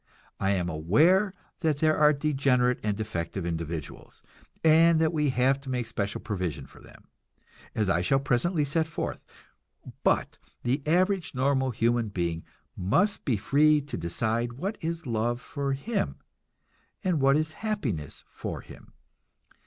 I am aware that there are degenerate and defective individuals, and that we have to make special provision for them, as I shall presently set forth; but the average, normal human being must be free to decide what is love for him, and what is happiness for him.